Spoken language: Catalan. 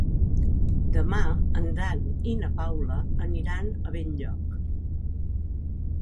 Demà en Dan i na Paula aniran a Benlloc.